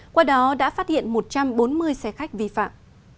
qua đó đã phát hiện một trăm bốn mươi xe khách vi phạm